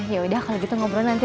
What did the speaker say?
yaudah kalau gitu ngobrol nanti